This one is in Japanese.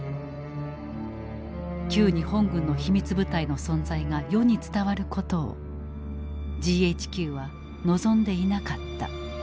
旧日本軍の秘密部隊の存在が世に伝わることをＧＨＱは望んでいなかった。